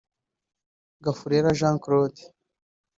Gafurera Jean Claude